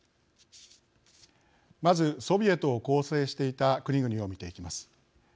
まずソビエトを構成していた国々を見ていきます。